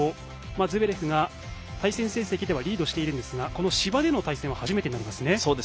ズベレフが対戦成績ではリードしていますが芝での対戦は初めてですね。